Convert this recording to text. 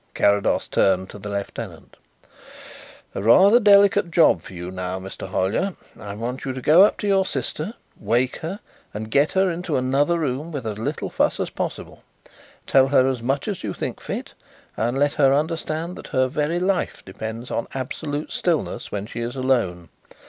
Carrados turned to the lieutenant. "A rather delicate job for you now, Mr. Hollyer. I want you to go up to your sister, wake her, and get her into another room with as little fuss as possible. Tell her as much as you think fit and let her understand that her very life depends on absolute stillness when she is alone.